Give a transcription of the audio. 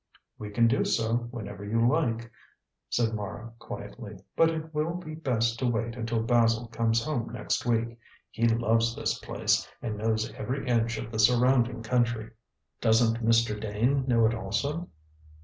"We can do so whenever you like," said Mara quietly; "but it will be best to wait until Basil comes home next week. He loves this place, and knows every inch of the surrounding country." "Doesn't Mr. Dane know it also?"